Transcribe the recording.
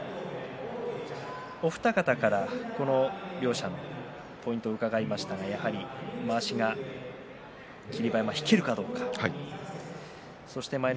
お二方からこの両者のポイントを伺いましたけどもまわしが霧馬山引けるかどうかということでしたね。